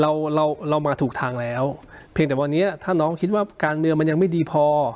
เราเรามาถูกทางแล้วเพียงแต่วันนี้ถ้าน้องคิดว่าการเมืองมันยังไม่ดีพอ